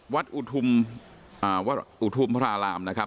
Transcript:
วัดอุทุมพระรามนะครับ